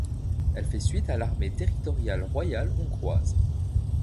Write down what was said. Elle fait suite à l'Armée territoriale royale hongroise.